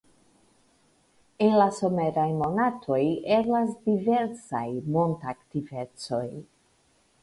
En la someraj monatoj eblas diversaj montaktivecoj.